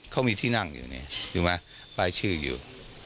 เขามีที่นั่งอยู่นี่อยู่ไหมป้ายชื่ออยู่